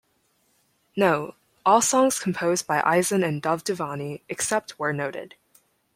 Note: All songs composed by Eisen and Duvdevani, except where noted.